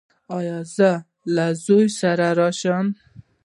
ایا زه له زوی سره راشم؟